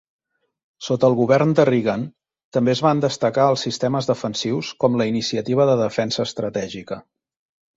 Sota el govern de Reagan, també es van destacar els sistemes defensius com la Iniciativa de Defensa Estratègica.